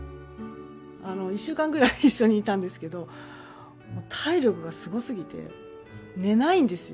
１週間ぐらい一緒にいたんですけど、体力がすごすぎて、寝ないんですよ。